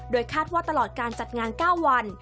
คาดว่าตลอดการจัดงาน๙วัน